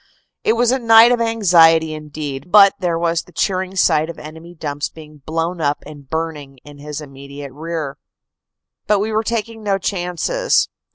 It was a night of anxiety indeed, but there was the cheering sight of enemy dumps being blown up and burning in his immediate rear. But we were taking no chances.